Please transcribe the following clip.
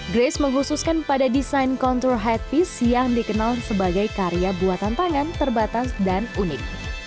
grace menghususkan pada desain kontur hate fish yang dikenal sebagai karya buatan tangan terbatas dan unik